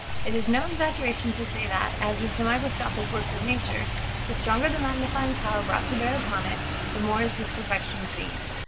It is no exaggeration to say that, as with the microscopic works of nature, the stronger the magnifying power brought to bear upon it, the more is this perfection seen.